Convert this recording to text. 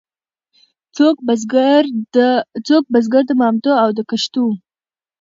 څوک بزګر د مامتو او د کښتو وو.